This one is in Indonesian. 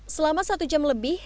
selama satu jam lebih